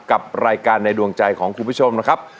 กับรายการในดวงใจของคุณผู้ชมนะครับ